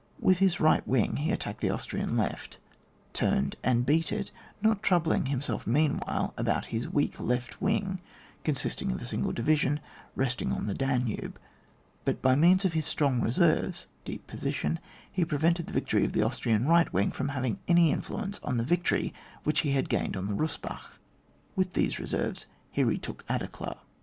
With his right wing he attacked the Austrian left, turned and beat it, not troubling himseK meanwhile about his weak left wing (consisting of a single division), resting on the Danube ; but by means of his strong reserves (deep position) he prevented the victoiy of the Austrian right wing from having any influence on the victory which he had gained on the Bussbach. With these re serves he retook Aderklaa.